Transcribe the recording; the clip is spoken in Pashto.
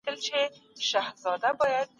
د فساد مخنیوی د ودي لپاره اړین دی.